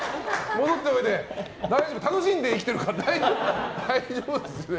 戻っておいで楽しんで生きてるから大丈夫。